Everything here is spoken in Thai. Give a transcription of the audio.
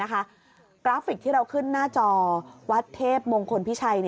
กราฟิกที่เราขึ้นหน้าจอวัดเทพมงคลพิชัย